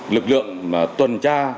lực lượng tuần tra